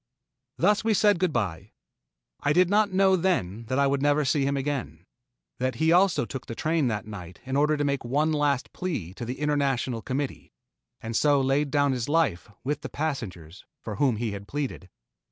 Thus we said good by. I did not know then that I would never see him again that he also took the train that night in order to make one last plea to the International Committee, and so laid down his life with the passengers for whom he had pleaded.